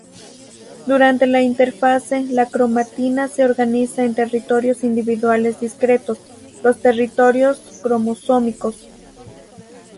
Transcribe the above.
Durante la interfase la cromatina se organiza en territorios individuales discretos, los territorios cromosómicos.